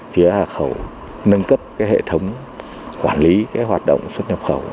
phía hạ khẩu nâng cấp hệ thống quản lý hoạt động xuất nhập khẩu